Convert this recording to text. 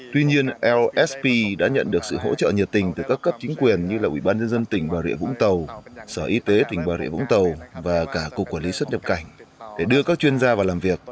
tuy nhiên lsp đã nhận được sự hỗ trợ nhiệt tình từ các cấp chính quyền như là ủy ban nhân dân tỉnh bà rịa vũng tàu sở y tế tỉnh bà rịa vũng tàu và cả cục quản lý xuất nhập cảnh để đưa các chuyên gia vào làm việc